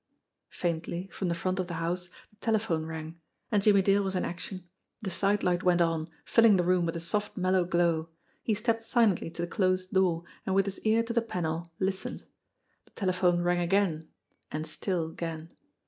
Faintly, from the front of the house, the telephone rang and Jimmie Dale was in action. The side light went on, filling the room with a soft mellow glow. He stepped silently to the closed door, and with his ear to the panel listened. The telephone rang again and still gain.